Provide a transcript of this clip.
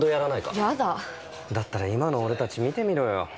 だったら今の俺たち、見てみろよ。